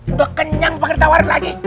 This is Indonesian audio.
udah kenyang panggir tawar lagi